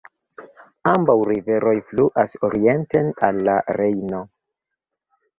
Ambaŭ riveroj fluas orienten al la Rejno.